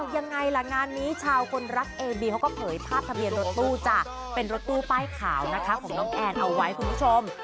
ยังไงล่ะงานนี้ชาวคนรักเอบีเขาก็เผยภาพทะเบียนรถตู้จ้ะเป็นรถตู้ป้ายขาวนะคะของน้องแอนเอาไว้คุณผู้ชม